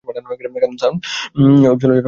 কারণ sound wave চলার জন্যে মাধ্যম লাগে।